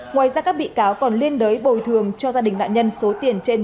ngoài ra các bị cáo còn liên đới bồi thường cho gia đình nạn nhân số tiền trên một trăm hai mươi